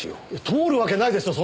通るわけないですよ